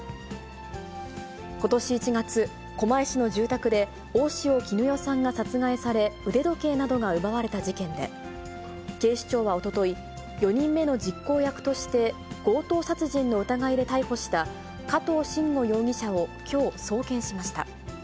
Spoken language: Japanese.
ことし１月、狛江市の住宅で大塩衣与さんが殺害され、腕時計などが奪われた事件で、警視庁はおととい、４人目の実行役として強盗殺人の疑いで逮捕した加藤臣吾容疑者をきょう、送検しました。